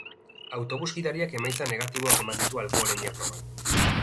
Autobus gidariak emaitza negatiboak eman ditu alkoholemia proban.